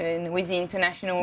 dengan komunitas internasional